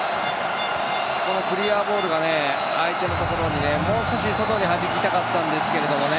このクリアボールが相手のところにもう少し外にはじきたかったんですけどね